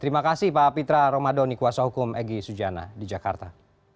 terima kasih pak pitra romadoni kuasa hukum egy sujana di jakarta